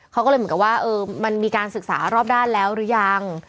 เขาก็เลยเหมือนกับว่ามันมีการศึกษารอบด้านแล้วหรือยัง